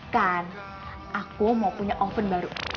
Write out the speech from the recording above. kan aku mau punya oven baru